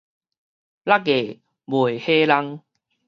六月賣火籠